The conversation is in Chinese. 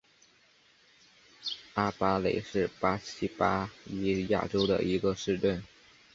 阿巴雷是巴西巴伊亚州的一个市镇。